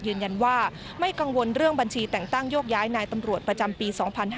ยืนยันว่าไม่กังวลเรื่องบัญชีแต่งตั้งโยกย้ายนายตำรวจประจำปี๒๕๕๙